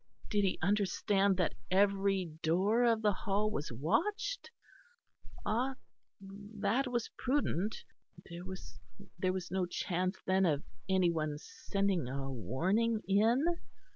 Did he understand that every door of the Hall was watched? Ah! that was prudent; there was no chance then of any one sending a warning in?